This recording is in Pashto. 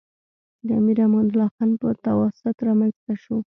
د امیر امان الله خان په تواسط رامنځته شو.